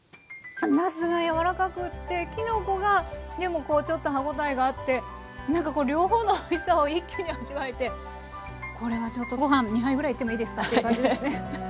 なすが柔らかくってきのこがでもこうちょっと歯応えがあってなんかこう両方のおいしさを一気に味わえてこれはちょっとご飯２杯ぐらいいってもいいですかっていう感じですね。